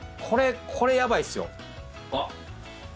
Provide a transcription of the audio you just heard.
これ、やばいっすよ。